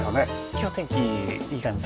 今日天気いい感じで。